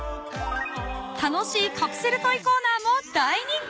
［楽しいカプセルトイコーナーも大人気！］